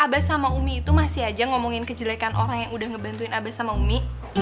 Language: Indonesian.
abah sama umi itu masih aja ngomongin kejelekan orang yang udah ngebantuin aba sama umi